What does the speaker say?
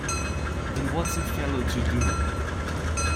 Then what's a fellow to do?